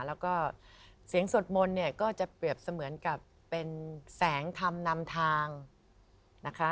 แล้วก็เสียงสวดมนต์เนี่ยก็จะเปรียบเสมือนกับเป็นแสงธรรมนำทางนะคะ